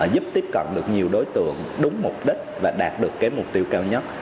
giúp tiếp cận được nhiều đối tượng đúng mục đích và đạt được cái mục tiêu cao nhất